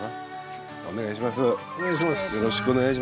お願いします。